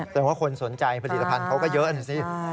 แต่ว่าคนสนใจผลิตภัณฑ์เขาก็เยอะนะสิ